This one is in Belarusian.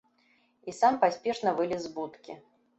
І сам паспешна вылез з будкі.